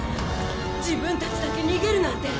自分たちだけ逃げるなんて。